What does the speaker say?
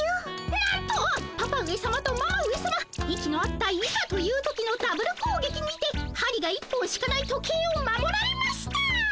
なんとパパ上さまとママ上さま息の合った「いざという時」のダブルこうげきにてはりが１本しかない時計を守られました。